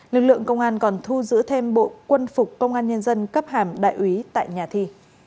lực lượng công an còn thu giữ thêm bộ quân phục công an nhân dân cấp hàm đại úy tại nhà thi